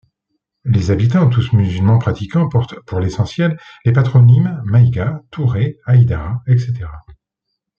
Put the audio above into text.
Les habitants, tous musulmans pratiquants, portent, pour l'essentiel, les patronymes Maïga, Touré, Haïdara, etc.